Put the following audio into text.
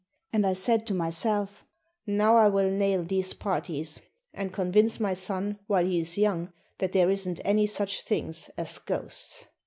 And I said to myself, "Now I will nail these parties and convince my son while he is young that there isn't any such things as ghosts."